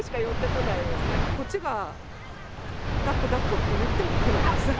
こっちがだっこだっこって言っても来ないです。